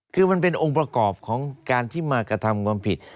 คือมันเป็นองค์ประกอบของการที่มากระทำความผิด